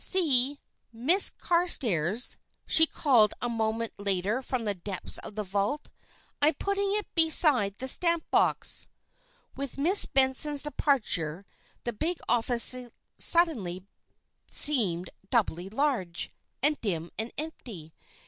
"See, Miss Carstairs," she called a moment later from the depths of the vault, "I'm putting it beside the stamp box." With Miss Benson's departure the big office suddenly seemed doubly large, and dim and empty.